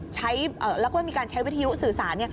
แล้วก็มีการใช้วิทยุสื่อสาร